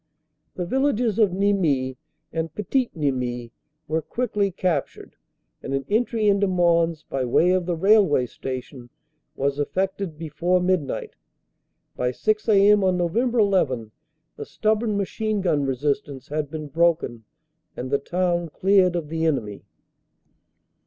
The villages of Nimy and Petit Nimy were quickly captured and an entry into Mons by way of the Railway Station was effected before midnight. By 6 a.m. on Nov. 1 1 the stubborn machine gun resistance had been broken and the town cleared of the enemy.